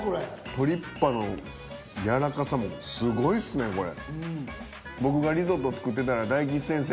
トリッパのやらかさもすごいっすねこれ。